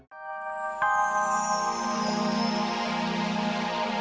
harus itu dateng pepihang aja zeggenze